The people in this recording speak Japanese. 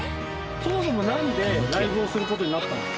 そもそもなんでライブをする事になったんですか？